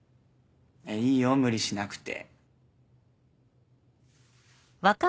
いいよ無理しなくて。